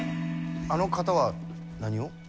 あの方は何を？